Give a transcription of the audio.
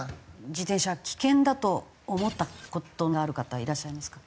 自転車危険だと思った事のある方いらっしゃいますか？